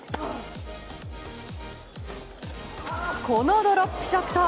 このドロップショット！